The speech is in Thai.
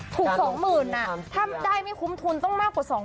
ถูก๒๐๐๐๐ถ้าได้ไม่คุ้มทุนต้องมากกว่า๒๐๐๐๐๐แน่นอน